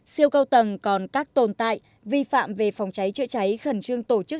siêu cao tầng còn các tồn tại vi phạm về phòng cháy chữa cháy khẩn trương tổ chức